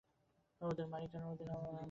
ওদের মারি কারণ ওরা আমাদের মারে।